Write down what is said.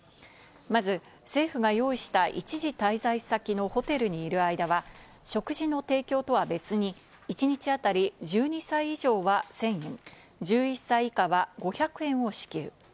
まず政府が用意した一時滞在先のホテルにいる間は食事の提供とは別に、一日当たり１２歳以上は１０００円、１１歳以下は５００円を支給。